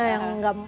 yang kece gitu ya